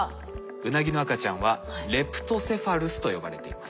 ウナギの赤ちゃんは「レプトセファルス」と呼ばれています。